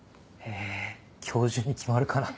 今日中に決まるかな？